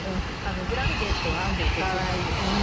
ブランケットを編んでる途中なんですけど。